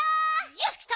よしきた！